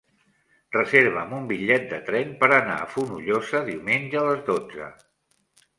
Reserva'm un bitllet de tren per anar a Fonollosa diumenge a les dotze.